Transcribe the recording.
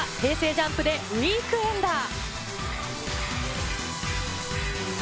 ＪＵＭＰでウィークエンダー。